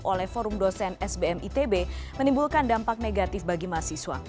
oleh forum dosen sbm itb menimbulkan dampak negatif bagi mahasiswa